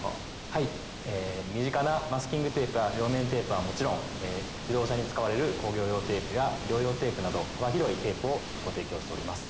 はい身近なマスキングテープや両面テープはもちろん自動車に使われる工業用テープや医療用テープなど幅広いテープをご提供しております。